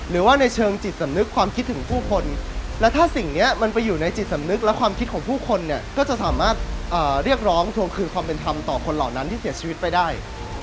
เรียกร้องทวงคืนความเป็นธรรมต่อคนเหล่านั้นที่เสียชีวิตไปได้